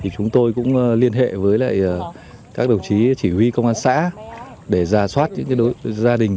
chúng tôi cũng liên hệ với các đồng chí chỉ huy công an xã để giả soát những gia đình